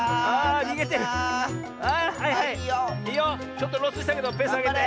ちょっとロスしたけどペースあげて。